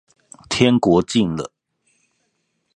天國近了